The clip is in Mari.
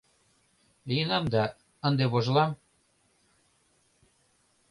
— Лийынам да... ынде вожылам...